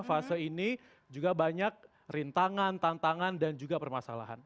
fase ini juga banyak rintangan tantangan dan juga permasalahan